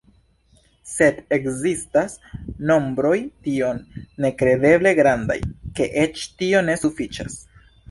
Sed ekzistas nombroj tiom nekredeble grandaj, ke eĉ tio ne sufiĉas.